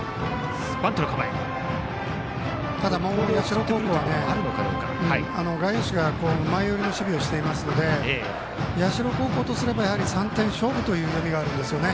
ただ社高校は外野手が前寄りの守備をしていますので社高校とすれば、やはり３点勝負という読みがあるんですね。